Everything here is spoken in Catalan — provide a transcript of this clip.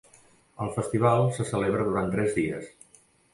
El festival se celebra durant tres dies.